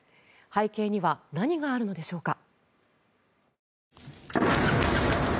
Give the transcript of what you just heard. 背景には何があるのでしょうか。